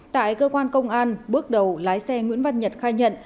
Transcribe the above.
tại cơ quan công an bước đầu lái xe nguyễn văn nhật khai nhận